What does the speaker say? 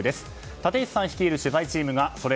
立石さん率いる取材チームがソレ